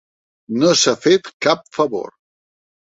No s'ha fet cap favor.